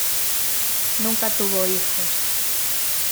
Nunca tuvo hijos.